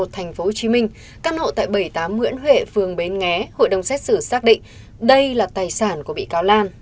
tp hcm căn hộ tại bảy mươi tám nguyễn huệ phường bến nghé hội đồng xét xử xác định đây là tài sản của bị cáo lan